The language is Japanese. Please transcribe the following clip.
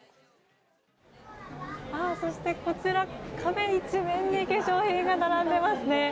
そしてこちら壁一面に化粧品が並んでますね。